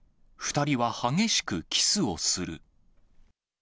２人は激しくキスをする。